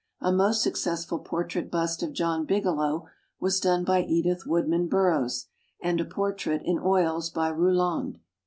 A most successful portrait bust of John Bigelow was done by Edith Woodman Burroughs, and a portrait in oils by Rouland.